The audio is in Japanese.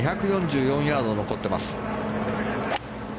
２４４ヤード、残ってます。